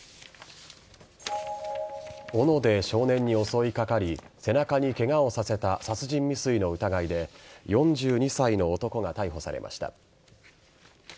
おので少年に襲いかかり背中にケガをさせた殺人未遂の疑いで４２歳の男が逮捕されました。